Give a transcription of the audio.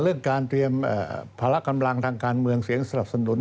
เรื่องการเตรียมภาระกำลังทางการเมืองเสียงสนับสนุน